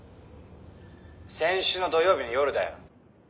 「先週の土曜日の夜だよ」